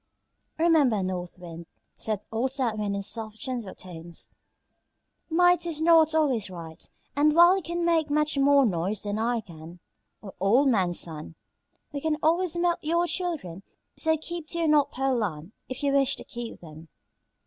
"Remember, North Wind," said old South Wind in soft, gentle tones, "might is not always right, and while you can make much more noise than I can or old man Sun, we can always melt your children; so keep to your North Pole Land if you wish to keep them."